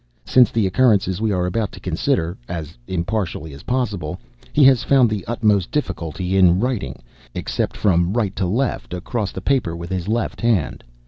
Since the occurrences we are about to consider (as impartially as possible), he has found the utmost difficulty in writing, except from right to left across the paper with his left hand.